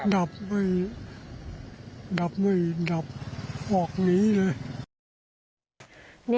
ดับไม่ดับไม่ดับออกหนีเลย